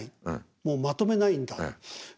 もうまとめないんだ。